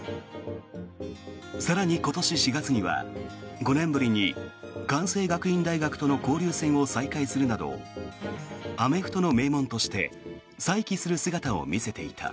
更に今年４月には５年ぶりに関西学院大学との交流戦を再開するなどアメフトの名門として再起する姿を見せていた。